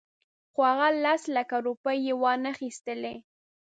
خو هغه لس لکه روپۍ یې وانخیستلې.